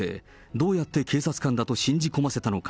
どうやって警察官だと信じ込ませたのか。